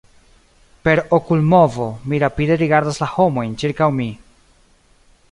Per okulmovo, mi rapide rigardas la homojn ĉirkaŭ mi.